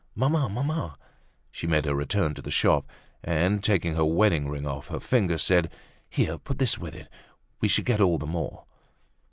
"Mamma! Mamma!" She made her return to the shop, and taking her wedding ring off her finger said: "Here, put this with it. We shall get all the more."